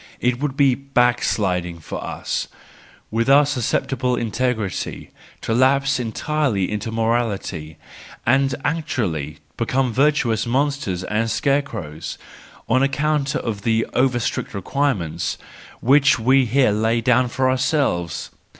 It would be backsliding for us, THE JOYFUL WISDOM, II 14 7 with our susceptible integrity, to lapse entirely into morality, and actually become virtuous monsters and scarecrows, on account of the over strict requirements which we here lay down for our¬ selves.